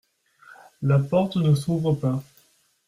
La porte ne s'ouvre pas.